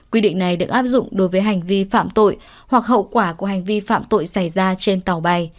quy định này được áp dụng đối với hành vi phạm tội hoặc hậu quả của hành vi phạm tội xảy ra trên tàu bay